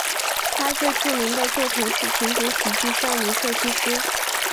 他最著名的作品是情景喜剧少女设计师。